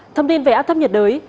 thông tin về áp thấp nhiệt đới